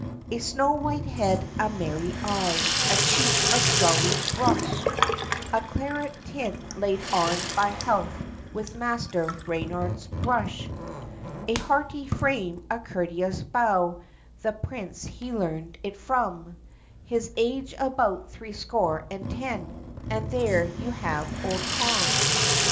A snow white head, a merry eye, A cheek of jolly blush; A claret tint laid on by health, With Master Reynard's brush; A hearty frame, a courteous bow, The prince he learned it from; His age about threescore and ten, And there you have Old Tom.